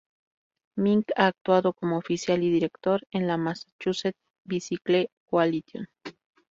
Mink ha actuado como oficial y director en la "Massachusetts Bicycle Coalition.